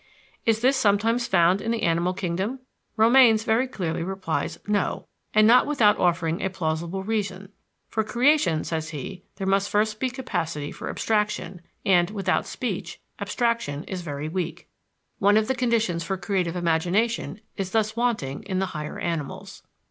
Is this sometimes found in the animal kingdom? Romanes very clearly replies, no; and not without offering a plausible reason. For creation, says he, there must first be capacity for abstraction, and, without speech, abstraction is very weak. One of the conditions for creative imagination is thus wanting in the higher animals.